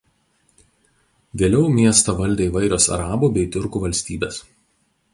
Vėliau miestą valdė įvairios arabų bei tiurkų valstybės.